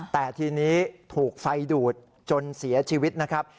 แต่ทีนี้ถูกไฟดูดจนเสียชีวิตนะครับ